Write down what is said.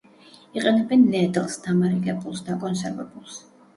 იყენებენ ნედლს, დამარილებულს, დაკონსერვებულს.